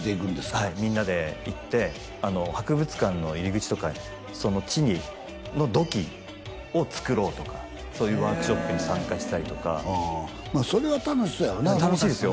はいみんなで行って博物館の入り口とかにその地の土器を作ろうとかそういうワークショップに参加したりとかそれは楽しそうやろな楽しいですよ